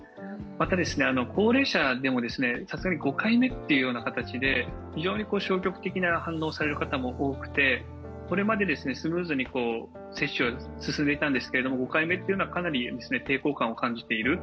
また、高齢者でもさすがに５回目という形で非常に消極的な反応をされる方も多くてこれまでスムーズに接種は進んでいたんですが、５回目というのはかなり抵抗感を感じている。